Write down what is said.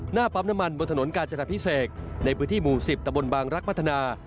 หน้าปั๊มน้ำมันบนถนนกาญจนาพิเศษในพื้นที่หมู่๑๐ตะบนบางรักพัฒนา